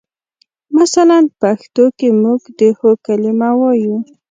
مثلاً پښتو کې موږ د هو کلمه وایو.